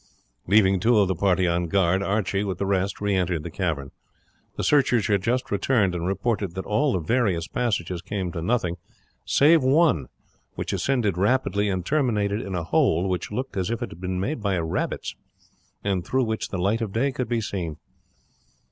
Leaving two of the party on guard, Archie, with the rest, re entered the cavern. The searchers had just returned and reported that all the various passages came to nothing, save one, which ascended rapidly and terminated in a hole which looked as if it had been made by rabbits, and through which the light of day could be seen.